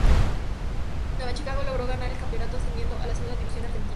Nueva Chicago logró ganar el campeonato, ascendiendo a la segunda división de Argentina.